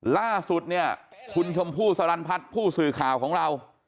ล่าสุดคุณชมพู่สรรพัฐผู้สื่อข่าวของเรา